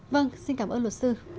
vâng xin cảm ơn luật sư